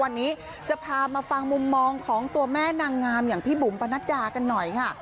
วันนี้จะพามาฟังมุมมองของตัวแม่นางงามอย่างพี่บุ๋มปนัดดากันหน่อยค่ะ